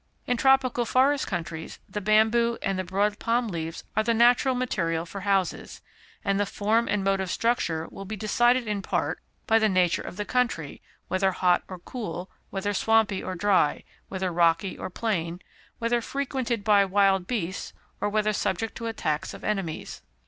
In tropical forest countries, the bamboo and the broad palm leaves are the natural material for houses, and the form and mode of structure will be decided in part by the nature of the country, whether hot or cool, whether swampy or dry, whether rocky or plain, whether frequented by wild beasts, or whether subject to the attacks of enemies.